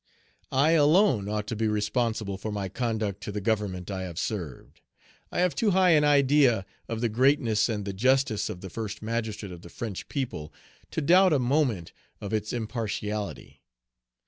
I alone ought to be responsible for my conduct to the Government I have served. I have too high an idea of the greatness and the justice of the First Magistrate of the French people, to doubt a moment of its impartiality.